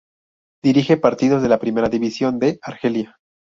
Dirige partidos de la Primera División de Argelia.